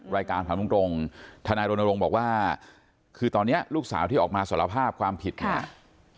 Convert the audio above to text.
รายการถามตรงทนายรณรงค์บอกว่าคือตอนนี้ลูกสาวที่ออกมาสารภาพความผิดเนี่ย